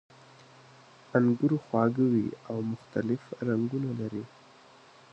انګور خواږه وي او مختلف رنګونه لري.